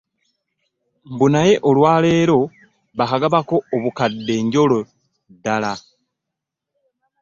Mbu naye olwa leero baakagabako obukadde nyono ddala